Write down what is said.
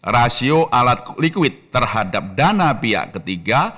rasio alat likuid terhadap dana pihak ketiga